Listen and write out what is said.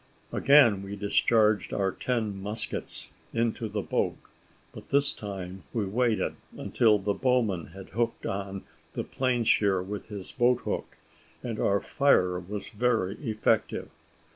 Again we discharged our ten muskets into the boat, but this time we waited until the bowman had hooked on the planeshear with his boat hook, and our fire was very effective.